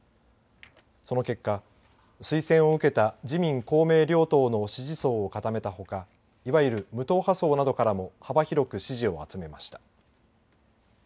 その結果、推薦を受けた自民・公明両党の支持層を固めたほかいわゆる無党派層などからも幅広く支持を集めました。